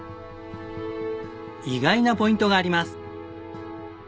意外なポイントがあります。